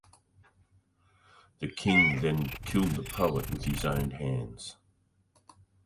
The king then killed the poet with his own hands.